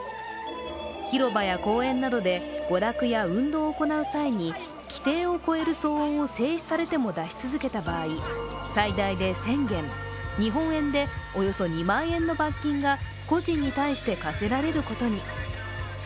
広場や公園などで娯楽や運動を行う際に規定を超える騒音を制止されても出し続けた場合、最大で１０００元、日本円でおよそ２万円の罰金が個人に対して科せられることに。